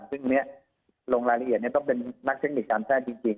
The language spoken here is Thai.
ตมโลงรายละเอียดเนี่ยต้องเป็นนักเทคนิคการแทฟจริง